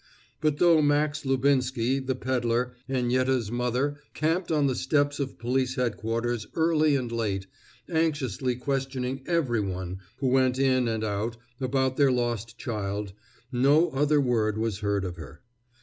But though Max Lubinsky, the peddler, and Yette's mother camped on the steps of Police Headquarters early and late, anxiously questioning every one who went in and out about their lost child, no other word was heard of her.